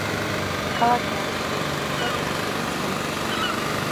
ქალაქი არის კულტურული და ტურისტული ცენტრი.